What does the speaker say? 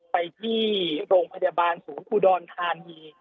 ไปที่โรงพยาบาลศูนย์อุดรธานี